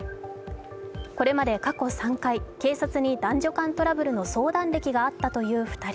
これまで過去３回、警察に男女間トラブルの相談歴があったという２人。